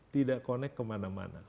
tidak connect kemana mana